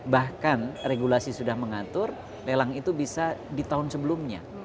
bahkan regulasi sudah mengatur lelang itu bisa di tahun sebelumnya